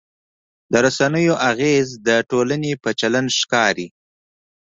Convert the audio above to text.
د رسنیو اغېز د ټولنې په چلند ښکاري.